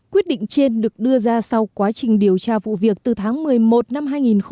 quyết định trên được đưa ra sau quá trình điều tra vụ việc từ tháng một mươi một năm hai nghìn một mươi bảy